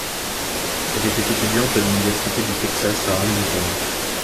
Elle était étudiante à l'Université du Texas à Arlington.